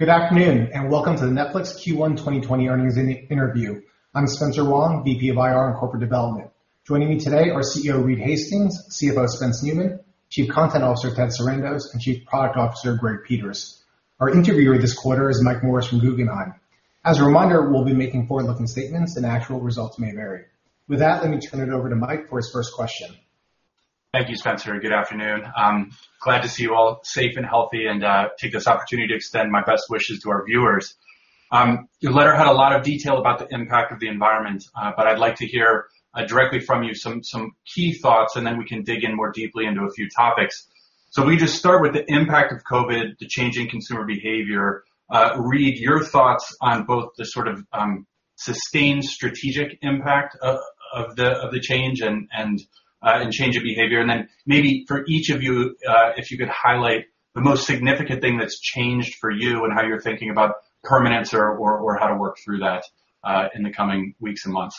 Good afternoon, welcome to the Netflix Q1 2020 earnings interview. I'm Spencer Wang, VP of IR and Corporate Development. Joining me today are CEO Reed Hastings, CFO Spence Neumann, Chief Content Officer Ted Sarandos, and Chief Product Officer Greg Peters. Our interviewer this quarter is Mike Morris from Guggenheim. As a reminder, we'll be making forward-looking statements and actual results may vary. With that, let me turn it over to Mike for his first question. Thank you, Spencer, and good afternoon. I'm glad to see you all safe and healthy and take this opportunity to extend my best wishes to our viewers. Your letter had a lot of detail about the impact of the environment. I'd like to hear directly from you some key thoughts and then we can dig in more deeply into a few topics. Let me just start with the impact of COVID, the change in consumer behavior. Reed, your thoughts on both the sort of sustained strategic impact of the change and change of behavior. Then maybe for each of you, if you could highlight the most significant thing that's changed for you and how you're thinking about permanence or how to work through that in the coming weeks and months.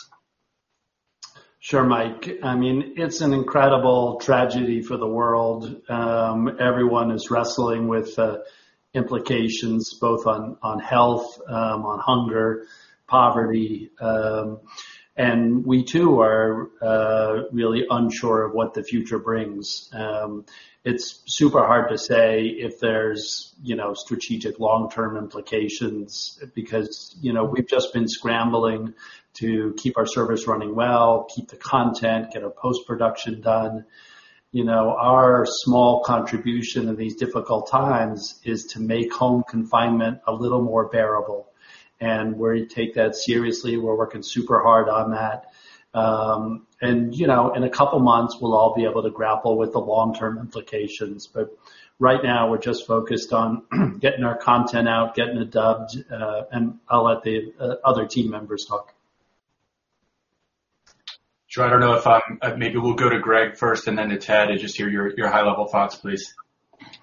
Sure, Mike. It's an incredible tragedy for the world. Everyone is wrestling with implications both on health, on hunger, poverty. We too are really unsure of what the future brings. It's super hard to say if there's strategic long-term implications because we've just been scrambling to keep our service running well, keep the content, get our post-production done. Our small contribution in these difficult times is to make home confinement a little more bearable. We take that seriously. We're working super hard on that. In a couple of months, we'll all be able to grapple with the long-term implications. Right now, we're just focused on getting our content out, getting it dubbed, and I'll let the other team members talk. Sure. I don't know if Maybe we'll go to Greg first and then to Ted to just hear your high-level thoughts, please.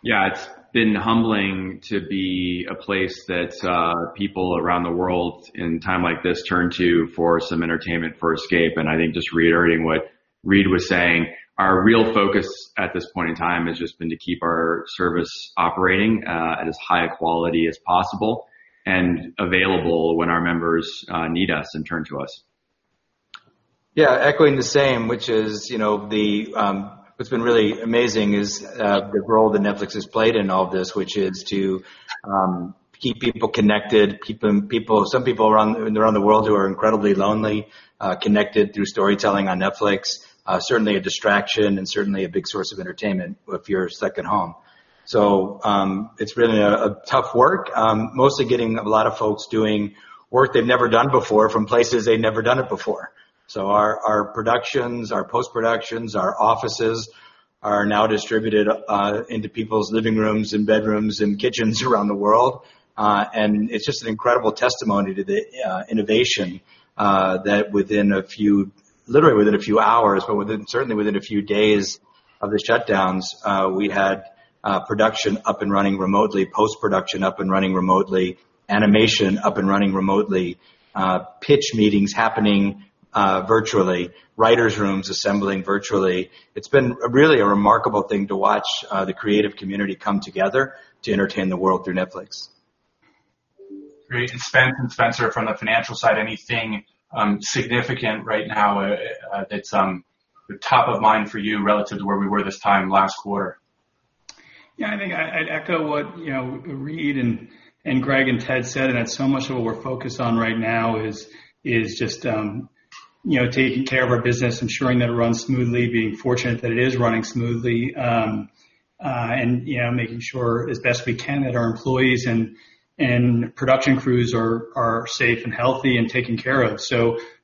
Yeah. It's been humbling to be a place that people around the world in a time like this turn to for some entertainment, for escape. I think just reiterating what Reed was saying, our real focus at this point in time has just been to keep our service operating at as high a quality as possible and available when our members need us and turn to us. Yeah, echoing the same, which is what's been really amazing is the role that Netflix has played in all of this, which is to keep people connected, some people around the world who are incredibly lonely, connected through storytelling on Netflix. Certainly a distraction and certainly a big source of entertainment if you're stuck at home. It's been tough work. Mostly getting a lot of folks doing work they've never done before from places they've never done it before. Our productions, our post-productions, our offices are now distributed into people's living rooms and bedrooms and kitchens around the world. It's just an incredible testimony to the innovation that literally within a few hours, but certainly within a few days of the shutdowns, we had production up and running remotely, post-production up and running remotely, animation up and running remotely, pitch meetings happening virtually, writers' rooms assembling virtually. It's been really a remarkable thing to watch the creative community come together to entertain the world through Netflix. Great. Spence from the financial side, anything significant right now that's top of mind for you relative to where we were this time last quarter? I think I'd echo what Reed and Greg and Ted said, that so much of what we're focused on right now is just taking care of our business, ensuring that it runs smoothly, being fortunate that it is running smoothly, and making sure as best we can that our employees and production crews are safe and healthy and taken care of.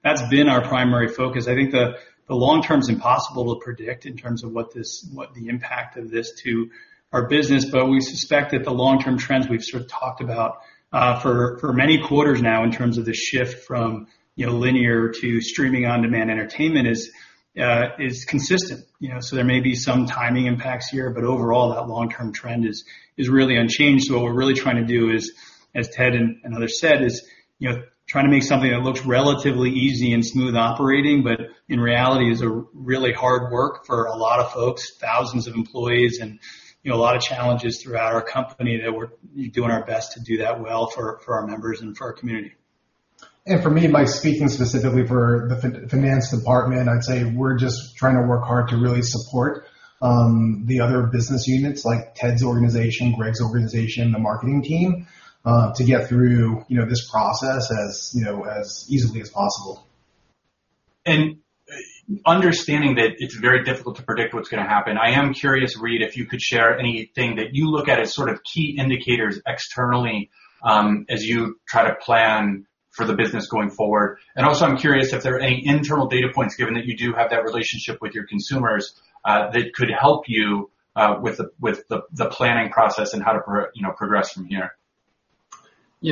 That's been our primary focus. I think the long-term's impossible to predict in terms of what the impact of this to our business. We suspect that the long-term trends we've sort of talked about for many quarters now in terms of the shift from linear to streaming on-demand entertainment is consistent. There may be some timing impacts here, but overall, that long-term trend is really unchanged. What we're really trying to do is, as Ted and others said, is trying to make something that looks relatively easy and smooth operating, but in reality is a really hard work for a lot of folks, thousands of employees, and a lot of challenges throughout our company that we're doing our best to do that well for our members and for our community. For me, by speaking specifically for the finance department, I'd say we're just trying to work hard to really support the other business units like Ted's organization, Greg's organization, the marketing team, to get through this process as easily as possible. Understanding that it's very difficult to predict what's going to happen, I am curious, Reed, if you could share anything that you look at as sort of key indicators externally as you try to plan for the business going forward. Also, I'm curious if there are any internal data points, given that you do have that relationship with your consumers, that could help you with the planning process and how to progress from here.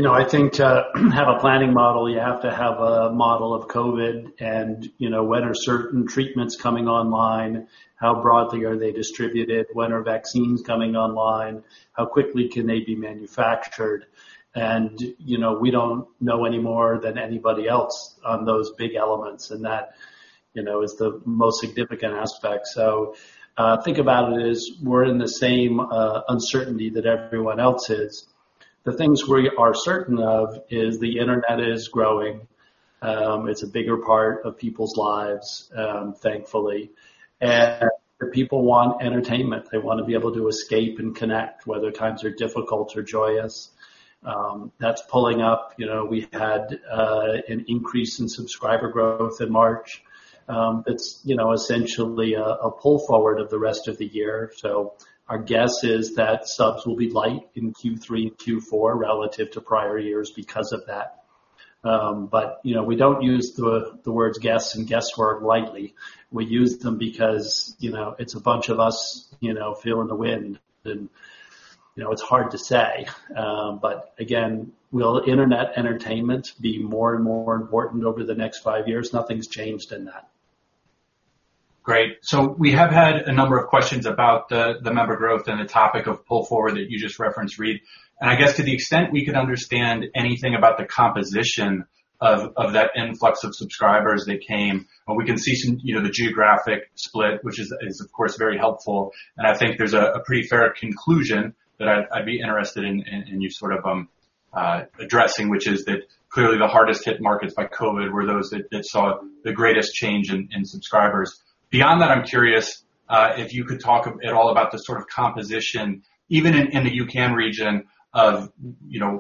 I think to have a planning model, you have to have a model of COVID and when are certain treatments coming online, how broadly are they distributed, when are vaccines coming online, how quickly can they be manufactured. We don't know any more than anybody else on those big elements, and that is the most significant aspect. Think about it as we're in the same uncertainty that everyone else is. The things we are certain of is the internet is growing. It's a bigger part of people's lives, thankfully. People want entertainment. They want to be able to escape and connect, whether times are difficult or joyous. That's pulling up. We've had an increase in subscriber growth in March. It's essentially a pull forward of the rest of the year. Our guess is that subs will be light in Q3 and Q4 relative to prior years because of that. We don't use the words guess and guesswork lightly. We use them because it's a bunch of us feeling the wind, and it's hard to say. Again, will internet entertainment be more and more important over the next five years? Nothing's changed in that. Great. We have had a number of questions about the member growth and the topic of pull forward that you just referenced, Reed. I guess to the extent we could understand anything about the composition of that influx of subscribers that came, we can see the geographic split, which is of course very helpful. I think there's a pretty fair conclusion that I'd be interested in you sort of addressing, which is that clearly the hardest hit markets by COVID were those that saw the greatest change in subscribers. Beyond that, I'm curious if you could talk at all about the sort of composition, even in the UCAN region of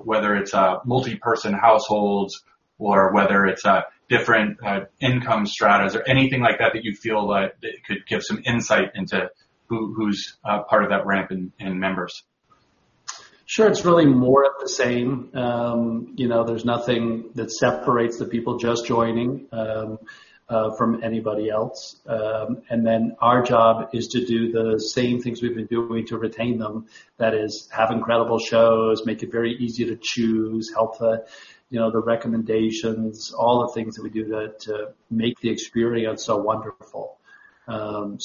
whether it's multi-person households or whether it's different income stratas or anything like that that you feel could give some insight into who's part of that ramp in members. Sure. It's really more of the same. There's nothing that separates the people just joining from anybody else. Our job is to do the same things we've been doing to retain them. That is, have incredible shows, make it very easy to choose, help the recommendations, all the things that we do that make the experience so wonderful. Again,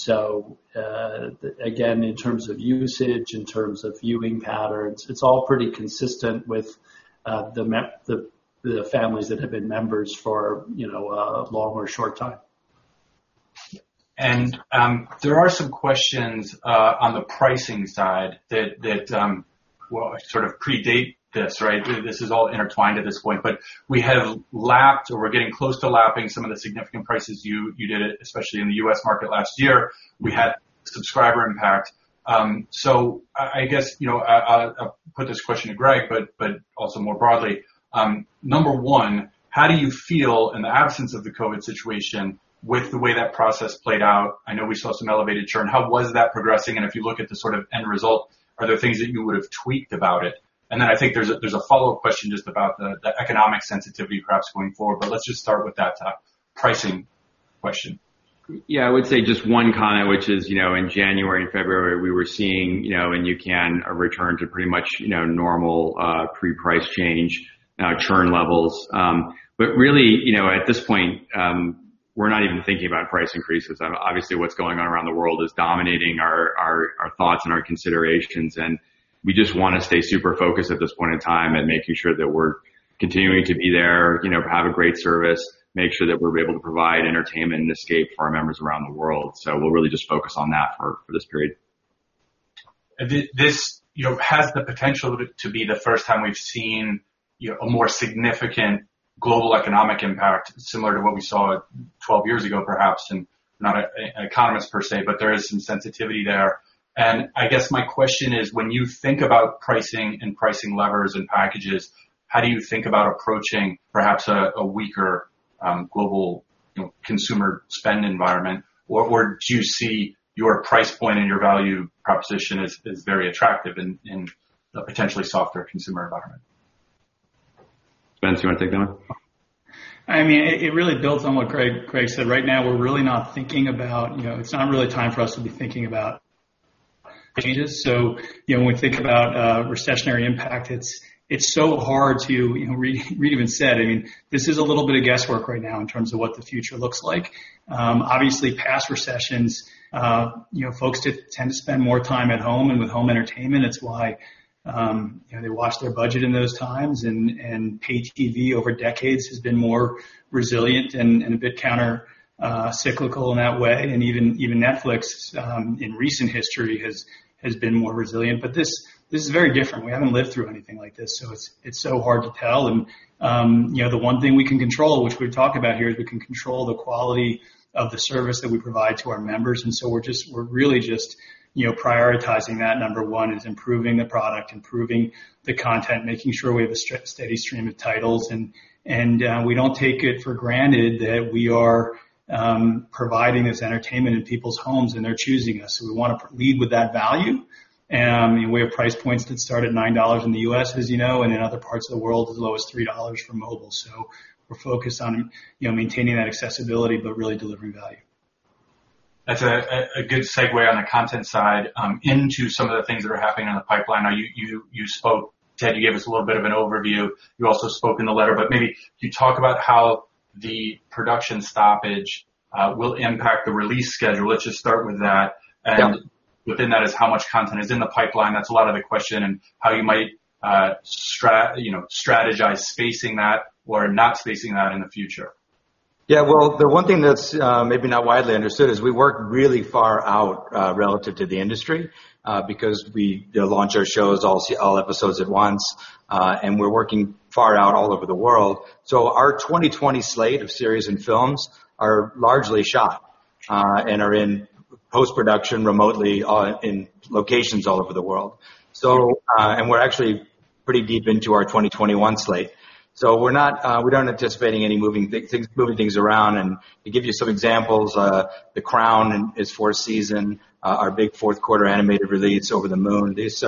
in terms of usage, in terms of viewing patterns, it's all pretty consistent with the families that have been members for a long or short time. There are some questions on the pricing side that sort of predate this, right? This is all intertwined at this point. We have lapped, or we're getting close to lapping some of the significant prices you did, especially in the U.S. market last year. We had subscriber impact. I guess I'll put this question to Greg, but also more broadly. Number one, how do you feel in the absence of the COVID situation with the way that process played out? I know we saw some elevated churn. How was that progressing? If you look at the sort of end result, are there things that you would have tweaked about it? Then I think there's a follow-up question just about the economic sensitivity perhaps going forward. Let's just start with that pricing question. Yeah, I would say just one comment, which is, in January and February, we were seeing in UCAN a return to pretty much normal pre-price change churn levels. Really at this point, we're not even thinking about price increases. Obviously, what's going on around the world is dominating our thoughts and our considerations, and we just want to stay super focused at this point in time and making sure that we're continuing to be there, have a great service, make sure that we're able to provide entertainment and escape for our members around the world. We'll really just focus on that for this period. This has the potential to be the first time we've seen a more significant global economic impact, similar to what we saw 12 years ago, perhaps. I'm not an economist per se, but there is some sensitivity there. I guess my question is, when you think about pricing and pricing levers and packages, how do you think about approaching perhaps a weaker global consumer spend environment? Do you see your price point and your value proposition as very attractive in a potentially softer consumer environment? Spencer, do you want to take that one? It really builds on what Greg said. Right now, we're really not thinking about. It's not really time for us to be thinking about changes. When we think about recessionary impact, it's so hard to Reed even said. This is a little bit of guesswork right now in terms of what the future looks like. Obviously, past recessions, folks did tend to spend more time at home and with home entertainment. It's why they watch their budget in those times. Pay TV over decades has been more resilient and a bit counter-cyclical in that way. Even Netflix in recent history has been more resilient. This is very different. We haven't lived through anything like this. It's so hard to tell. The one thing we can control, which we talk about here, is we can control the quality of the service that we provide to our members. We're really just prioritizing that. Number one is improving the product, improving the content, making sure we have a steady stream of titles. We don't take it for granted that we are providing this entertainment in people's homes, and they're choosing us. We want to lead with that value. We have price points that start at $9 in the U.S., as you know, and in other parts of the world, as low as $3 for mobile. We're focused on maintaining that accessibility, but really delivering value. That's a good segue on the content side into some of the things that are happening in the pipeline. You spoke, Ted, you gave us a little bit of an overview. You also spoke in the letter, maybe can you talk about how the production stoppage will impact the release schedule? Let's just start with that. Yeah. Within that is how much content is in the pipeline. That's a lot of the question and how you might strategize spacing that or not spacing that in the future. Yeah. Well, the one thing that's maybe not widely understood is we work really far out relative to the industry, because we launch our shows all episodes at once, and we're working far out all over the world. Our 2020 slate of series and films are largely shot and are in post-production remotely in locations all over the world. We're actually pretty deep into our 2021 slate. We're not anticipating any moving things around. To give you some examples, "The Crown" and its fourth season, our big fourth quarter animated release, "Over the Moon," these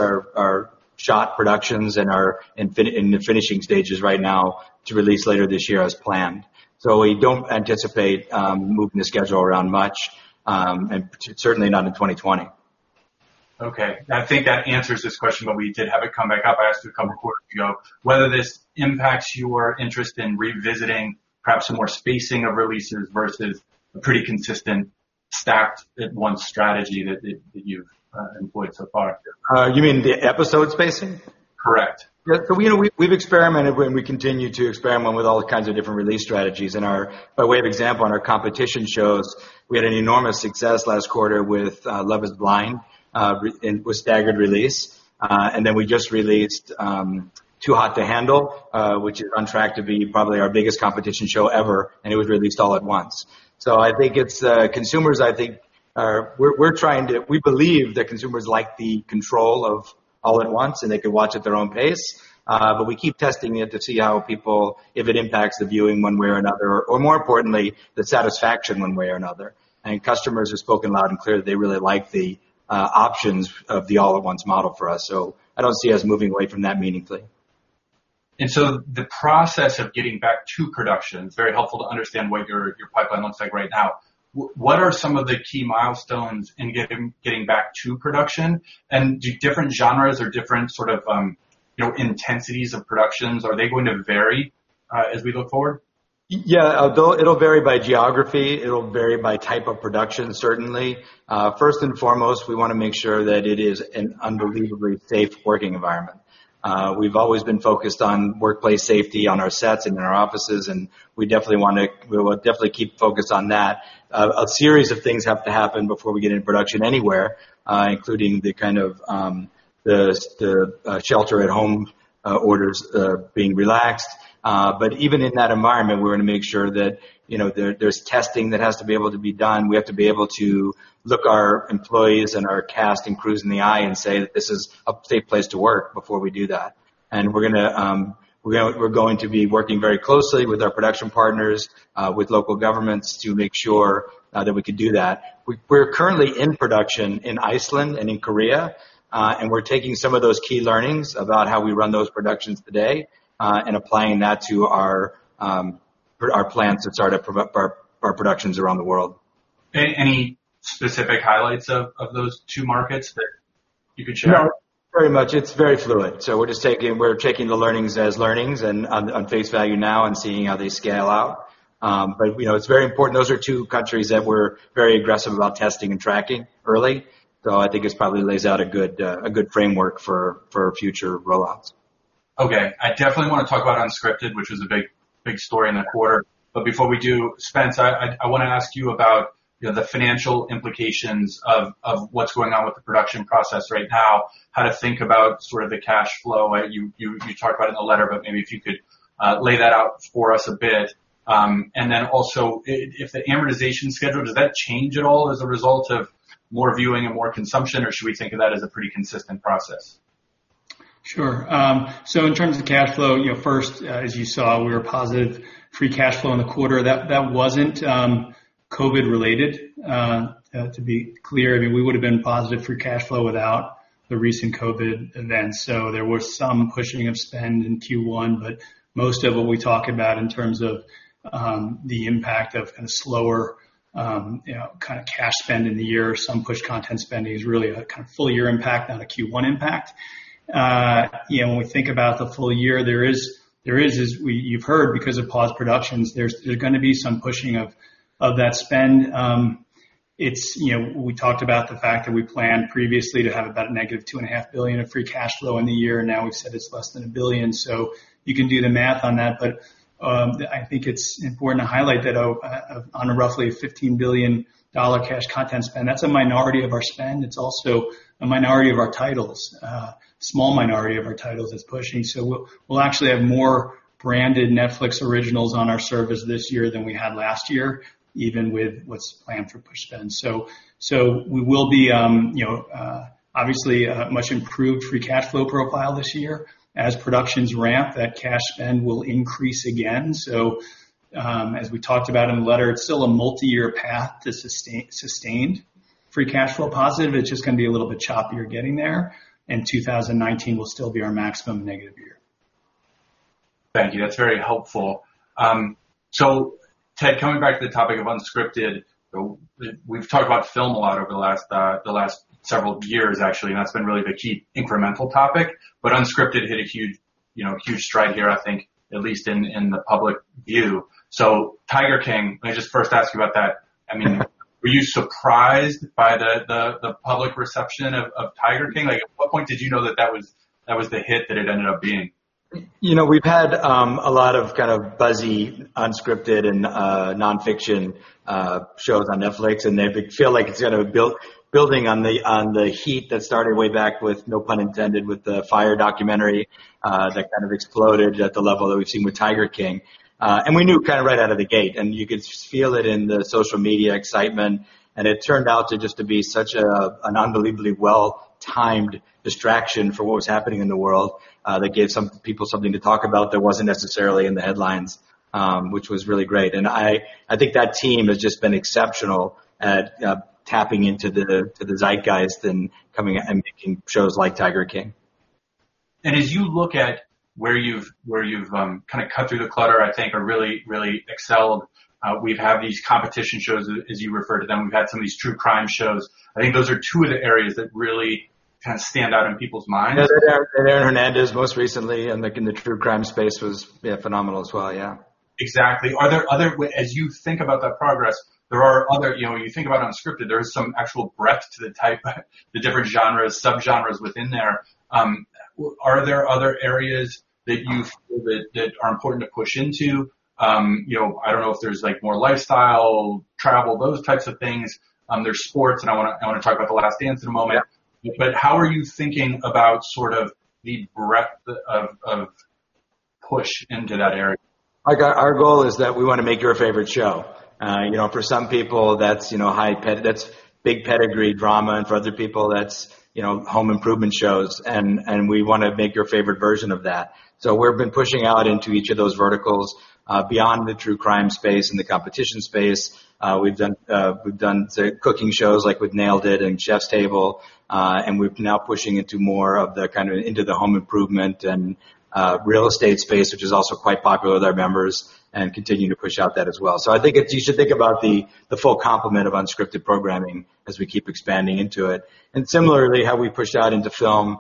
are shot productions and are in the finishing stages right now to release later this year as planned. We don't anticipate moving the schedule around much, and certainly not in 2020. Okay. I think that answers this question, but we did have it come back up. I asked it a couple quarters ago, whether this impacts your interest in revisiting perhaps more spacing of releases versus a pretty consistent stacked at once strategy that you've employed so far. You mean the episode spacing? Correct. We've experimented, and we continue to experiment with all kinds of different release strategies. By way of example, on our competition shows, we had an enormous success last quarter with "Love Is Blind" with staggered release. Then we just released "Too Hot to Handle," which is on track to be probably our biggest competition show ever, and it was released all at once. We believe that consumers like the control of all at once, and they can watch at their own pace. We keep testing it to see if it impacts the viewing one way or another, or more importantly, the satisfaction one way or another. Customers have spoken loud and clear that they really like the options of the all at once model for us. I don't see us moving away from that meaningfully. The process of getting back to production, it's very helpful to understand what your pipeline looks like right now. What are some of the key milestones in getting back to production? Do different genres or different sort of intensities of productions, are they going to vary as we look forward? Yeah. It'll vary by geography. It'll vary by type of production, certainly. First and foremost, we want to make sure that it is an unbelievably safe working environment. We've always been focused on workplace safety on our sets and in our offices, and we will definitely keep focused on that. A series of things have to happen before we get into production anywhere, including the kind of shelter at home orders being relaxed. Even in that environment, we're going to make sure that there's testing that has to be able to be done. We have to be able to look our employees and our cast and crews in the eye and say that this is a safe place to work before we do that. We're going to be working very closely with our production partners, with local governments to make sure that we can do that. We're currently in production in Iceland and in Korea, and we're taking some of those key learnings about how we run those productions today and applying that to our plans to start up our productions around the world. Any specific highlights of those two markets that you could share? No. Pretty much, it's very fluid. We're taking the learnings as learnings and on face value now and seeing how they scale out. It's very important. Those are two countries that were very aggressive about testing and tracking early. I think this probably lays out a good framework for future roll-outs. Okay. I definitely want to talk about unscripted, which was a big story in the quarter. Before we do, Spence, I want to ask you about the financial implications of what's going on with the production process right now, how to think about sort of the cash flow. You talked about it in the letter, but maybe if you could lay that out for us a bit. Then also, if the amortization schedule, does that change at all as a result of more viewing and more consumption, or should we think of that as a pretty consistent process? Sure. In terms of cash flow, first, as you saw, we were positive free cash flow in the quarter. That wasn't COVID related, to be clear. We would've been positive free cash flow without the recent COVID events. There was some cushioning of spend in Q1, but most of what we talk about in terms of the impact of kind of slower kind of cash spend in the year or some push content spending is really a kind of full- year impact, not a Q1 impact. When we think about the full- year, there is, as you've heard, because of paused productions, there's going to be some pushing of that spend. We talked about the fact that we planned previously to have about negative $2.5 billion of free cash flow in the year, and now we've said it's less than $1 billion. You can do the math on that, but I think it's important to highlight that on a roughly $15 billion cash content spend, that's a minority of our spend. It's also a minority of our titles. A small minority of our titles is pushing. We'll actually have more branded Netflix originals on our service this year than we had last year, even with what's planned for push spend. We will be obviously a much improved free cash flow profile this year. As productions ramp, that cash spend will increase again. As we talked about in the letter, it's still a multi-year path to sustained free cash flow positive. It's just going to be a little bit choppier getting there, and 2019 will still be our maximum negative year. Thank you. That's very helpful. Ted, coming back to the topic of unscripted, we've talked about film a lot over the last several years, actually, and that's been really the key incremental topic. Unscripted hit a huge stride here, I think, at least in the public view. "Tiger King," can I just first ask you about that? I mean, were you surprised by the public reception of Tiger King? At what point did you know that was the hit that it ended up being? We've had a lot of kind of buzzy, unscripted, and nonfiction shows on Netflix, and they feel like it's building on the heat that started way back with, no pun intended, with the Fyre documentary that kind of exploded at the level that we've seen with Tiger King. We knew kind of right out of the gate, and you could just feel it in the social media excitement, and it turned out to just to be such an unbelievably well-timed distraction from what was happening in the world, that gave some people something to talk about that wasn't necessarily in the headlines, which was really great. I think that team has just been exceptional at tapping into the zeitgeist and making shows like Tiger King. As you look at where you've kind of cut through the clutter, I think, or really excelled, we've had these competition shows, as you refer to them. We've had some of these true crime shows. I think those are two of the areas that really kind of stand out in people's minds. Richard Ramirez most recently, and in the true crime space was, yeah, phenomenal as well, yeah. Exactly. As you think about that progress, when you think about unscripted, there is some actual breadth to the type, the different genres, subgenres within there. Are there other areas that you feel that are important to push into? I don't know if there's more lifestyle, travel, those types of things. There's sports, and I want to talk about "The Last Dance" in a moment. Yeah. How are you thinking about sort of the breadth of push into that area? Our goal is that we want to make your favorite show. For some people that's big pedigree drama, for other people, that's home improvement shows, we want to make your favorite version of that. We've been pushing out into each of those verticals, beyond the true crime space and the competition space. We've done cooking shows like with "Nailed It!" and "Chef's Table," we're now pushing into more of the home improvement and real estate space, which is also quite popular with our members, continuing to push out that as well. I think you should think about the full complement of unscripted programming as we keep expanding into it. Similarly, how we pushed out into film,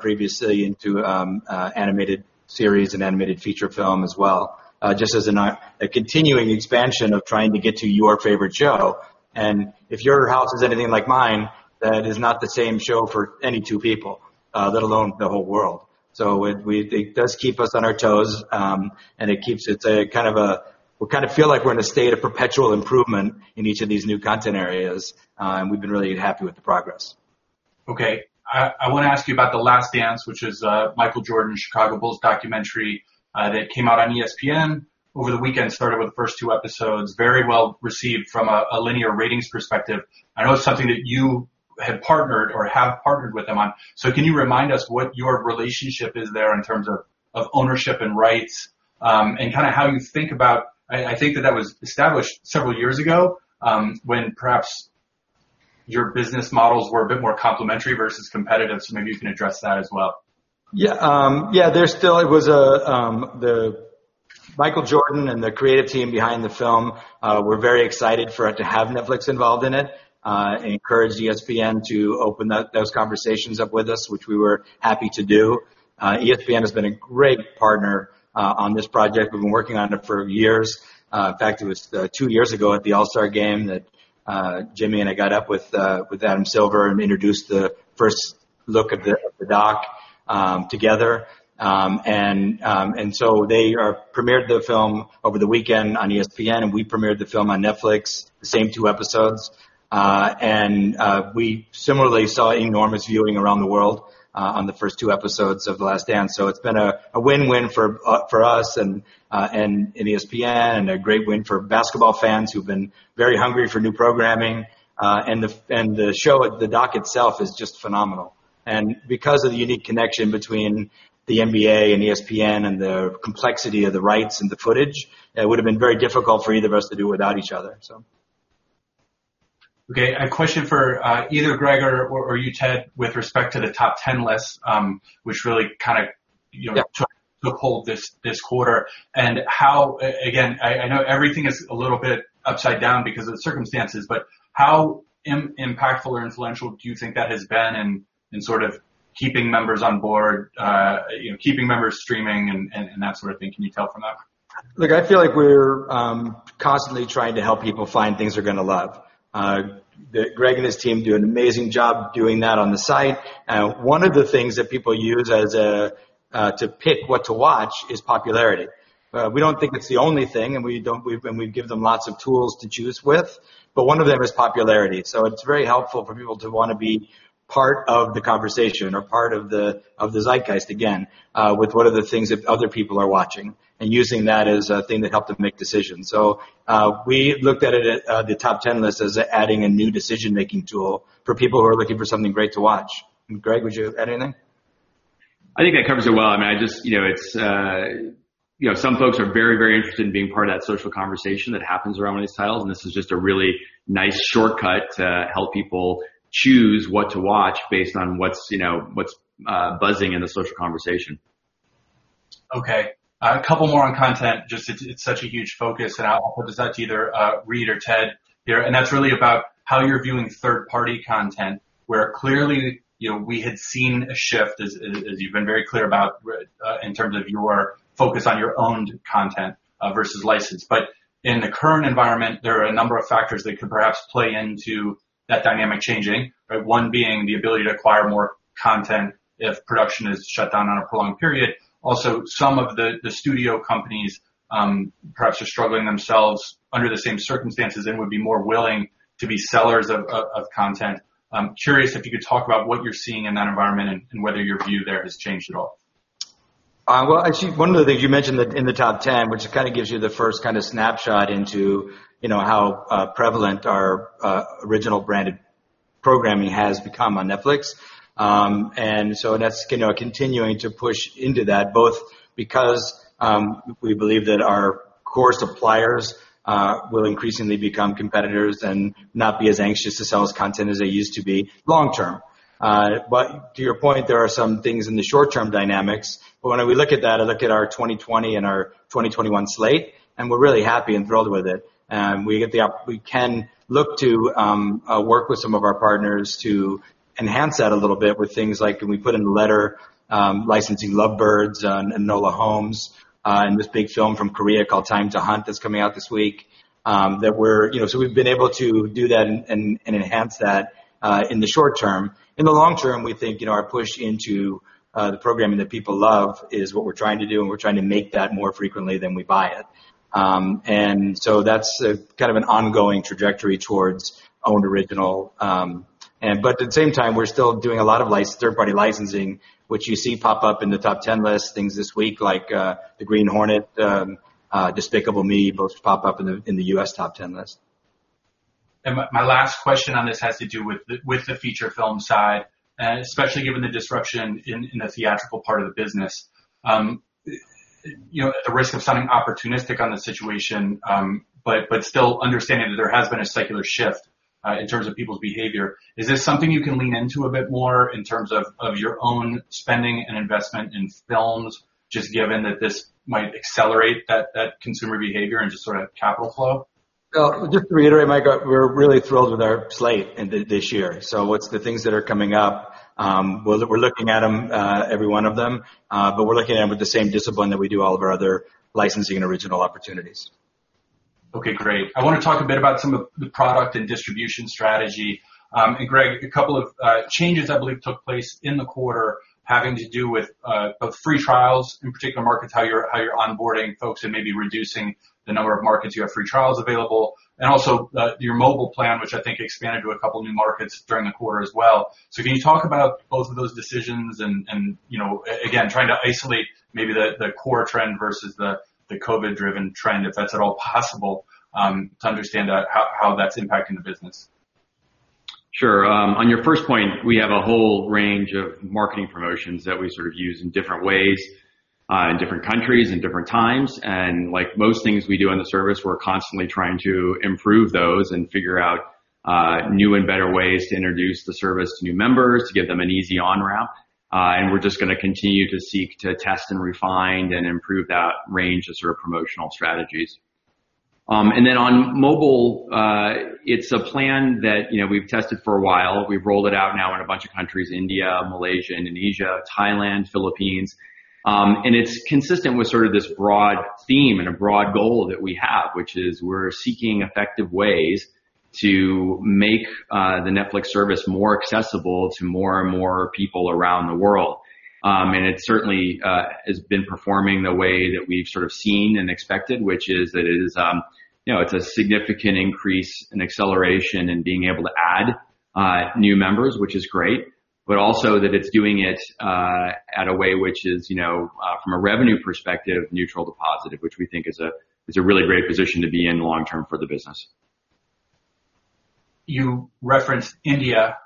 previously into animated series and animated feature film as well, just as a continuing expansion of trying to get to your favorite show. If your house is anything like mine, that is not the same show for any two people, let alone the whole world. It does keep us on our toes, and we kind of feel like we're in a state of perpetual improvement in each of these new content areas. We've been really happy with the progress. Okay. I want to ask you about "The Last Dance," which is a Michael Jordan Chicago Bulls documentary that came out on ESPN over the weekend, started with the first two episodes. Very well received from a linear ratings perspective. I know it's something that you had partnered or have partnered with them on. Can you remind us what your relationship is there in terms of ownership and rights? I think that was established several years ago, when perhaps your business models were a bit more complementary versus competitive. Maybe you can address that as well. Yeah. Michael Jordan and the creative team behind the film were very excited for it to have Netflix involved in it, encouraged ESPN to open those conversations up with us, which we were happy to do. ESPN has been a great partner on this project. We've been working on it for years. In fact, it was two years ago at the All-Star Game that Jimmy and I got up with Adam Silver and introduced the first look of the doc together. They premiered the film over the weekend on ESPN, and we premiered the film on Netflix, the same two episodes. We similarly saw enormous viewing around the world on the first two episodes of "The Last Dance," so it's been a win-win for us and ESPN, and a great win for basketball fans who've been very hungry for new programming. The doc itself is just phenomenal. Because of the unique connection between the NBA and ESPN and the complexity of the rights and the footage, it would've been very difficult for either of us to do without each other. Okay. A question for either Greg or you, Ted, with respect to the Top 10 List. Yeah took hold this quarter. Again, I know everything is a little bit upside down because of the circumstances, but how impactful or influential do you think that has been in sort of keeping members on board, keeping members streaming, and that sort of thing? Can you tell from that? Look, I feel like we're constantly trying to help people find things they're going to love. Greg and his team do an amazing job doing that on the site. One of the things that people use to pick what to watch is popularity. We don't think it's the only thing, and we give them lots of tools to choose with, but one of them is popularity. It's very helpful for people to want to be part of the conversation or part of the zeitgeist again, with what are the things that other people are watching, and using that as a thing to help them make decisions. We looked at the top 10 list as adding a new decision-making tool for people who are looking for something great to watch. Greg, would you add anything? I think that covers it well. Some folks are very interested in being part of that social conversation that happens around one of these titles. This is just a really nice shortcut to help people choose what to watch based on what's buzzing in the social conversation. Okay. A couple more on content, just it's such a huge focus, and I'll pose that to either Reed or Ted here, and that's really about how you're viewing third-party content, where clearly, we had seen a shift, as you've been very clear about, in terms of your focus on your owned content versus licensed. In the current environment, there are a number of factors that could perhaps play into that dynamic changing, one being the ability to acquire more content if production is shut down on a prolonged period. Also, some of the studio companies perhaps are struggling themselves under the same circumstances and would be more willing to be sellers of content. I'm curious if you could talk about what you're seeing in that environment and whether your view there has changed at all. Well, actually, one of the things you mentioned in the top 10, which kind of gives you the first snapshot into how prevalent our original branded programming has become on Netflix. So that's continuing to push into that, both because we believe that our core suppliers will increasingly become competitors and not be as anxious to sell us content as they used to be long- term. To your point, there are some things in the short- term dynamics. When we look at that, I look at our 2020 and our 2021 slate, and we're really happy and thrilled with it. We can look to work with some of our partners to enhance that a little bit with things like, we put in the letter licensing The Lovebirds and Enola Holmes, and this big film from Korea called Time to Hunt that's coming out this week. We've been able to do that and enhance that in the short -term. In the long- term, we think our push into the programming that people love is what we're trying to do, and we're trying to make that more frequently than we buy it. That's kind of an ongoing trajectory towards owned original. At the same time, we're still doing a lot of third-party licensing, which you see pop up in the top 10 list, things this week like "The Green Hornet," "Despicable Me," both pop up in the U.S. top 10 list. My last question on this has to do with the feature film side, especially given the disruption in the theatrical part of the business. At the risk of sounding opportunistic on the situation, but still understanding that there has been a secular shift in terms of people's behavior, is this something you can lean into a bit more in terms of your own spending and investment in films, just given that this might accelerate that consumer behavior and just sort of capital flow? Just to reiterate, Mike, we're really thrilled with our slate this year. The things that are coming up, we're looking at every one of them, but we're looking at them with the same discipline that we do all of our other licensing and original opportunities. Okay, great. I want to talk a bit about some of the product and distribution strategy. Greg, a couple of changes I believe took place in the quarter having to do with both free trials in particular markets, how you're onboarding folks and maybe reducing the number of markets you have free trials available, and also your mobile plan, which I think expanded to a couple of new markets during the quarter as well. Can you talk about both of those decisions and, again, trying to isolate maybe the core trend versus the COVID-driven trend, if that's at all possible, to understand how that's impacting the business? Sure. On your first point, we have a whole range of marketing promotions that we sort of use in different ways in different countries and different times. Like most things we do on the service, we're constantly trying to improve those and figure out new and better ways to introduce the service to new members, to give them an easy on-ramp. We're just going to continue to seek to test and refine and improve that range of promotional strategies. On mobile, it's a plan that we've tested for a while. We've rolled it out now in a bunch of countries, India, Malaysia, Indonesia, Thailand, Philippines. It's consistent with this broad theme and a broad goal that we have, which is we're seeking effective ways to make the Netflix service more accessible to more and more people around the world. It certainly has been performing the way that we've seen and expected, which is that it's a significant increase and acceleration in being able to add new members, which is great. Also that it's doing it at a way which is, from a revenue perspective, neutral to positive, which we think is a really great position to be in long- term for the business. You referenced India.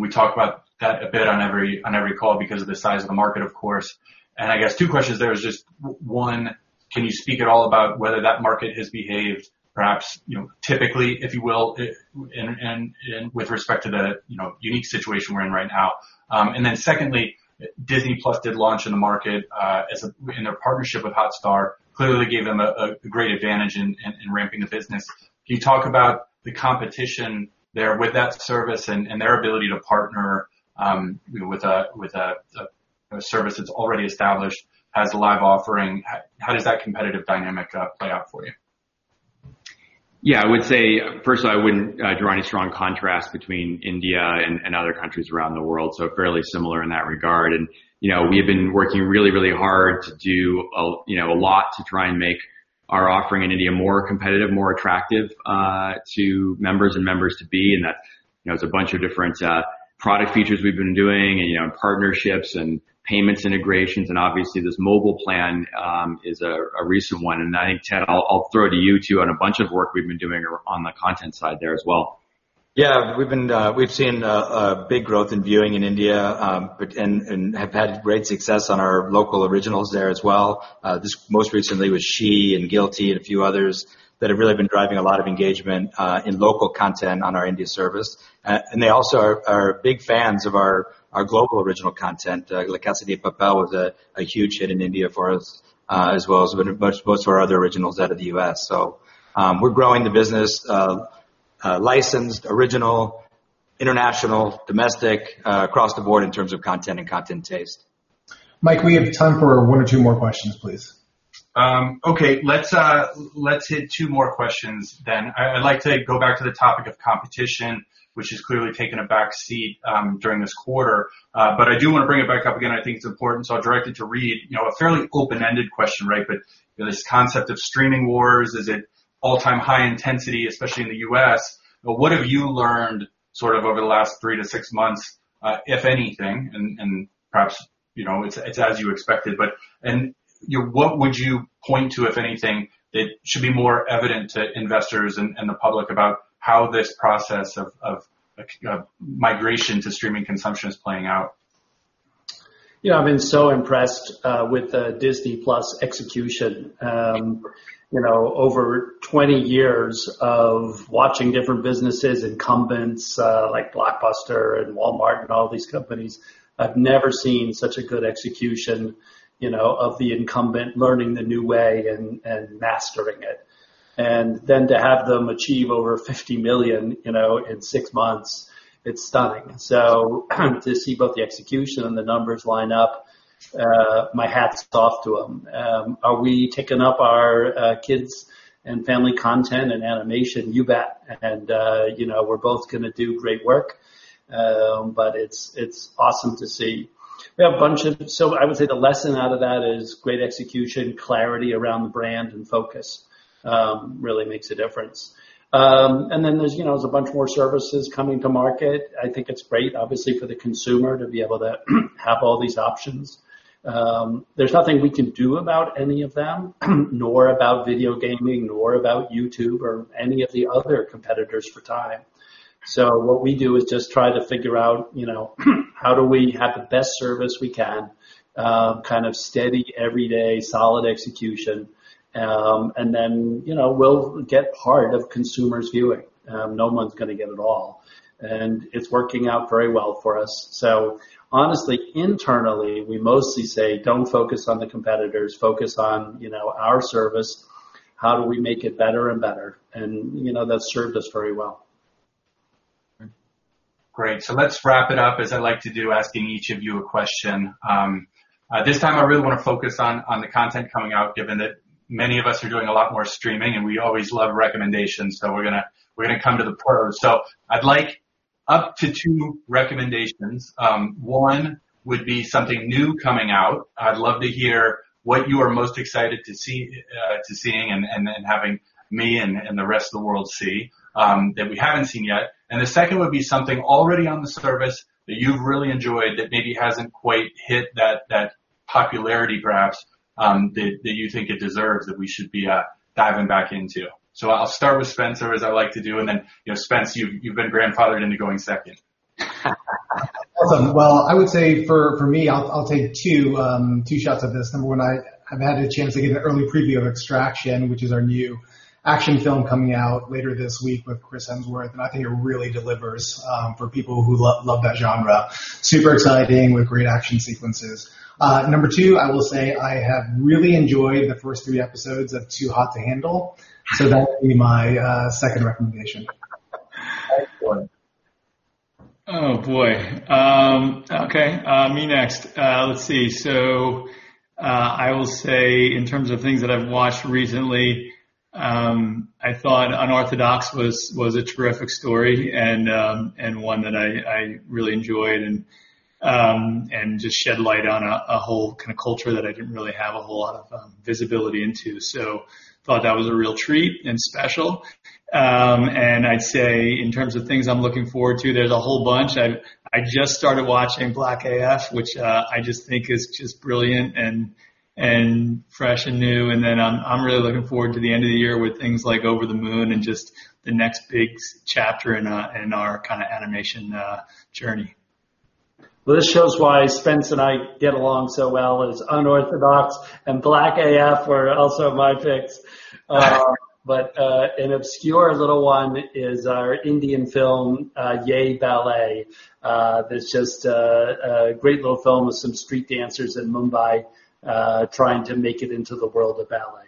We talk about that a bit on every call because of the size of the market, of course. I guess two questions there is just, one, can you speak at all about whether that market has behaved perhaps typically, if you will, with respect to the unique situation we're in right now? Secondly, Disney+ did launch in the market in their partnership with Hotstar, clearly gave them a great advantage in ramping the business. Can you talk about the competition there with that service and their ability to partner with a service that's already established, has a live offering? How does that competitive dynamic play out for you? I would say, first, I wouldn't draw any strong contrast between India and other countries around the world, so fairly similar in that regard. We have been working really, really hard to do a lot to try and make our offering in India more competitive, more attractive to members and members to-be, and that's a bunch of different product features we've been doing and partnerships and payments integrations, and obviously this mobile plan is a recent one. I think, Ted, I'll throw it to you, too, on a bunch of work we've been doing on the content side there as well. Yeah. We've seen a big growth in viewing in India and have had great success on our local originals there as well. Most recently was "She" and "Guilty" and a few others that have really been driving a lot of engagement in local content on our India service. They also are big fans of our global original content. "La Casa de Papel" was a huge hit in India for us as well as both of our other originals out of the U.S. We're growing the business licensed, original, international, domestic, across the board in terms of content and content taste. Mike, we have time for one or two more questions, please. Okay. Let's hit two more questions. I'd like to go back to the topic of competition, which has clearly taken a back seat during this quarter. I do want to bring it back up again. I think it's important, so I'll direct it to Reed. A fairly open-ended question, this concept of streaming wars, is at all-time high intensity, especially in the U.S. What have you learned sort of over the last three to six months, if anything? Perhaps, it's as you expected. What would you point to, if anything, that should be more evident to investors and the public about how this process of migration to streaming consumption is playing out? I've been so impressed with the Disney+ execution. Over 20 years of watching different businesses, incumbents like Blockbuster and Walmart and all these companies, I've never seen such a good execution of the incumbent learning the new way and mastering it. To have them achieve over $50 million in six months, it's stunning. To see both the execution and the numbers line up, my hat's off to them. Are we ticking up our kids and family content and animation? You bet. We're both going to do great work. It's awesome to see. I would say the lesson out of that is great execution, clarity around the brand, and focus really makes a difference. There's a bunch more services coming to market. I think it's great, obviously, for the consumer to be able to have all these options. There's nothing we can do about any of them, nor about video gaming, nor about YouTube or any of the other competitors for time. What we do is just try to figure out, how do we have the best service we can? Kind of steady, everyday solid execution. Then, we'll get part of consumers viewing. No one's going to get it all. It's working out very well for us. Honestly, internally, we mostly say, "Don't focus on the competitors. Focus on our service. How do we make it better and better?" That's served us very well. Great. Let's wrap it up as I like to do, asking each of you a question. This time I really want to focus on the content coming out, given that many of us are doing a lot more streaming and we always love recommendations. We're going to come to the portal. I'd like up to 2 recommendations. One would be something new coming out. I'd love to hear what you are most excited to seeing, and then having me and the rest of the world see that we haven't seen yet. The second would be something already on the service that you've really enjoyed that maybe hasn't quite hit that popularity graphs that you think it deserves that we should be diving back into. I'll start with Spencer as I like to do, and then Spence, you've been grandfathered into going second. Awesome. I would say for me, I'll take two shots at this. Number one, I've had a chance to get an early preview of "Extraction," which is our new action film coming out later this week with Chris Hemsworth. I think it really delivers for people who love that genre. Super exciting with great action sequences. Number two, I will say I have really enjoyed the first three episodes of "Too Hot to Handle." That would be my second recommendation. Excellent. Oh, boy. Okay. Me next. Let's see. I will say in terms of things that I've watched recently, I thought "Unorthodox" was a terrific story and one that I really enjoyed and just shed light on a whole kind of culture that I didn't really have a whole lot of visibility into. I thought that was a real treat and special. I'd say in terms of things I'm looking forward to, there's a whole bunch. I just started watching "#blackAF" which I just think is just brilliant and fresh and new. I'm really looking forward to the end of the year with things like "Over the Moon" and just the next big chapter in our kind of animation journey. This shows why Spence and I get along so well, is "Unorthodox" and "#blackAF" were also my picks. An obscure little one is our Indian film, "Yeh Ballet." That's just a great little film with some street dancers in Mumbai trying to make it into the world of ballet.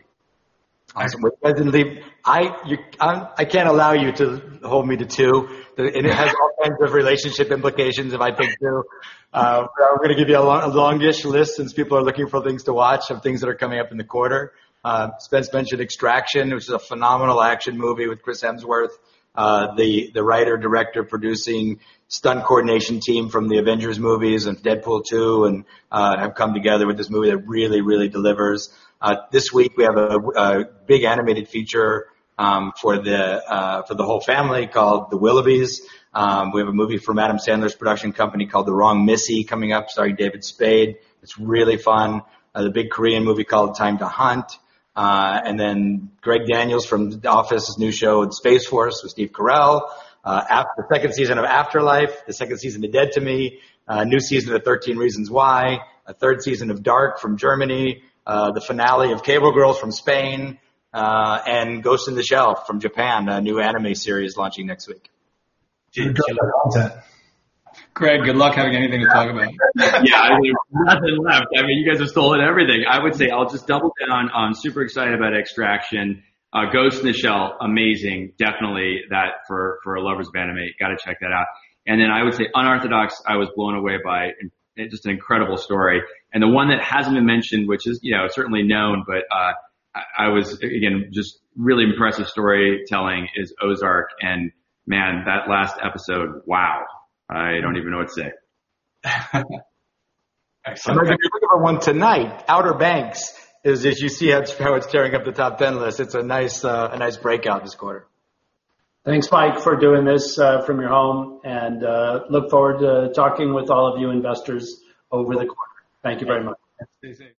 Awesome. President Lee, I can't allow you to hold me to two. It has all kinds of relationship implications if I pick two. I'm going to give you a longish list since people are looking for things to watch, some things that are coming up in the quarter. Spence mentioned "Extraction," which is a phenomenal action movie with Chris Hemsworth. The writer, director, producing stunt coordination team from the Avengers movies and Deadpool 2 have come together with this movie that really, really delivers. This week we have a big animated feature for the whole family called "The Willoughbys." We have a movie from Adam Sandler's production company called "The Wrong Missy" coming up, starring David Spade. It's really fun. The big Korean movie called "Time to Hunt." Greg Daniels from The Office's new show, "Space Force" with Steve Carell. The second season of "After Life," the second season of "Dead to Me," a new season of "13 Reasons Why," a third season of "Dark" from Germany, the finale of "Cable Girls" from Spain, and "Ghost in the Shell" from Japan, a new anime series launching next week. Geez, good content. Greg, good luck having anything to talk about. Yeah. I mean, nothing left. I mean, you guys have stolen everything. I would say I'll just double down on super excited about "Extraction." "Ghost in the Shell," amazing. Definitely that for lovers of anime, got to check that out. I would say "Unorthodox" I was blown away by. Just an incredible story. The one that hasn't been mentioned, which is certainly known, but I was, again, just really impressive storytelling is "Ozark." Man, that last episode, wow. I don't even know what to say. Excellent. If you're looking for one tonight, Outer Banks is, as you see how it's tearing up the top 10 list. It's a nice breakout this quarter. Thanks, Mike, for doing this from your home and look forward to talking with all of you investors over the quarter. Thank you very much. Stay safe.